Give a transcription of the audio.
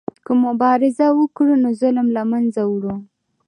که مبارزه وکړو نو ظلم له منځه وړو.